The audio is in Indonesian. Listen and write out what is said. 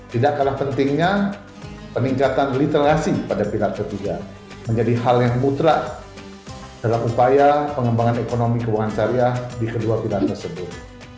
tidak kalah pentingnya peningkatan literasi pada pihak ketiga menjadi hal yang mutlak dalam upaya pengembangan ekonomi keuangan syariah di kedua pihak tersebut